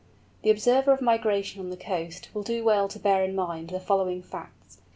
The observer of migration on the coast will do well to bear in mind the following facts.